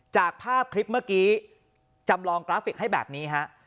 จากภาพคลิปเมื่อกี้จำลองกราฟิกให้แบบนี้ฮะ